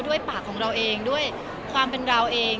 ปากของเราเองด้วยความเป็นเราเอง